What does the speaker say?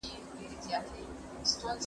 ما پرون د سبا لپاره د ژبي تمرين وکړ!.